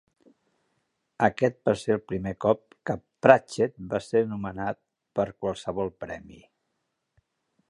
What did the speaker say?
Aquest va ser el primer cop que Pratchett va ser nomenat per qualsevol premi.